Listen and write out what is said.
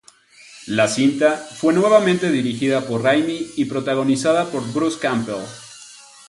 La cinta fue nuevamente dirigida por Raimi y protagonizada por Bruce Campbell.